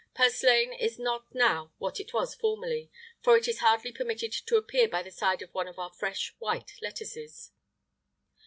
purslaine is not now what it was formerly; for it is hardly permitted to appear by the side of one of our fresh white lettuces.